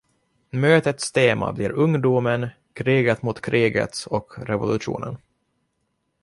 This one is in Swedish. Mötets tema blir Ungdomen, kriget mot kriget och revolutionen.